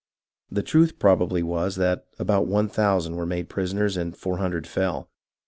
The truth probably was that about one thousand were made prisoners and four hundred fell.